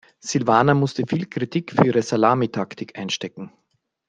Silvana musste viel Kritik für ihre Salamitaktik einstecken.